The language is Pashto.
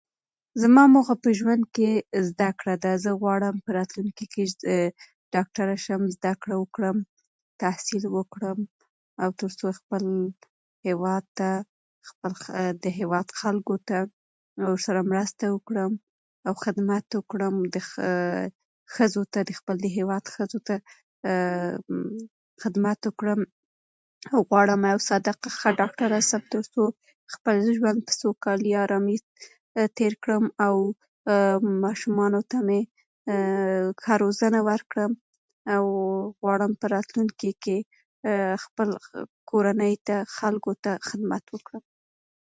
زما موخه په ژوند کې زده کړه ده، زه غواړم چې په راتلونکې کې ډاکټره شم زده کړه وکړم، تحصیل وکړم، تر څو خپل هېواد ته د خپل هېواد خلکو ته ورسره مرسته وکړم خدمت وکړم، ښځو ته د خپل هېواد ښځو ته خدمت وکړم. غواړم یوه صادقه ښه ډاکټره شم تر څو خپل ژوند په سوکالي او ارامي تېر کړم او ماشومانو ته مې ښه روزنه ورکړم او غواړم په راتلونکې کې خپلې کورنۍ ته او خلکو ته خدمت وکړم